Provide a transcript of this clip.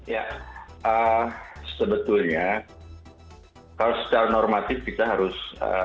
ya sebetulnya kalau secara normatif kita harus